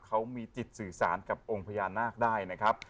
เขามีจิตสื่อสารกับองค์พญานาคได้นะครับ